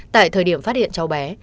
tại thời điểm phát hiện cháu bé